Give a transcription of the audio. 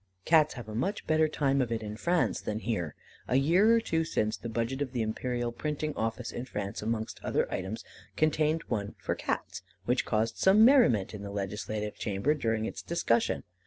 Cats have a much better time of it in France than here. A year or two since, the budget of the Imperial Printing Office in France, amongst other items, contained one for Cats, which caused some merriment in the Legislative Chamber during its discussion.